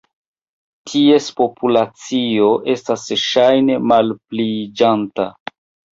Ties populacio estas ŝajne malpliiĝanta.